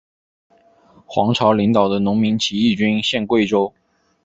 黄巢领导的农民起义军陷桂州。